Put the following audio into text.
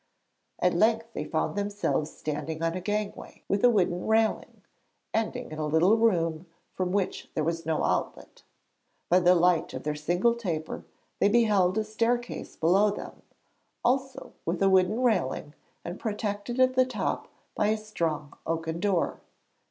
At length they found themselves standing on a gangway with a wooden railing, ending in a little room, from which there was no outlet. By the light of their single taper they beheld a staircase below them, also with a wooden railing, and protected at the top by a strong oaken door.